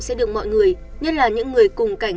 sẽ được mọi người nhất là những người cùng cảnh